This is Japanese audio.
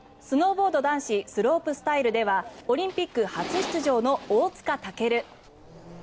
スノーボード男子スロープスタイルではオリンピック初出場の大塚健。